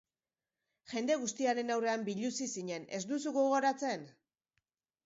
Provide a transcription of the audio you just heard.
Jende guztiaren aurrean biluzi zinen, ez duzu gogoratzen?